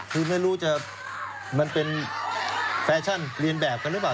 คือไม่รู้จะมันเป็นแฟชั่นเรียนแบบกันหรือเปล่า